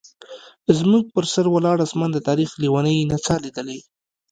زموږ پر سر ولاړ اسمان د تاریخ لیونۍ نڅا لیدلې.